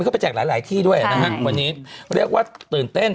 เขาไปแจกหลายหลายที่ด้วยนะฮะวันนี้เรียกว่าตื่นเต้น